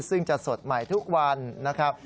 ซึ่งจะสดใหม่ทุกวันนะครับ